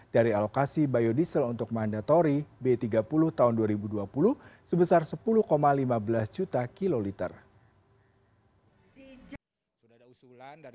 dari alokasi biodiesel untuk mandatori b tiga puluh tahun dua ribu dua puluh sebesar sepuluh lima belas juta kiloliter